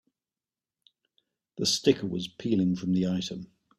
The sticker was peeling from the item.